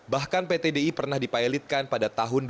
bahkan pt di pernah dipilotkan pada tahun dua ribu